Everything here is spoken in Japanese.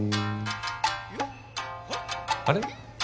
あれ？